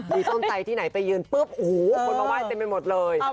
มีต้นไตที่ไหนไปยืนปุ๊บโอ้โหคนมาไห้เต็มไปหมดเลย